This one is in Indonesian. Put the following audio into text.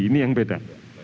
ini yang beda